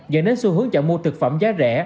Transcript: dẫn đến xu hướng chọn mua thực phẩm giá rẻ